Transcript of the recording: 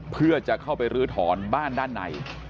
เพื่อจะเข้าไปรื้อถอนบ้านด้านใน